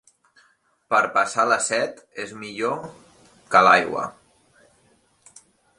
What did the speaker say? Per passar la set és millor que l'aigua.